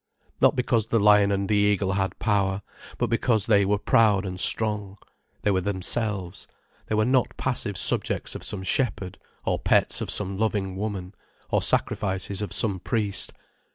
Not because the lion and the eagle had power, but because they were proud and strong; they were themselves, they were not passive subjects of some shepherd, or pets of some loving woman, or sacrifices of some priest.